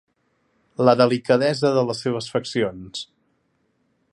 La delicadesa de les seves faccions.